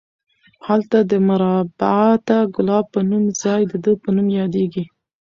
هلته د مربعة کلاب په نوم ځای د ده په نوم یادیږي.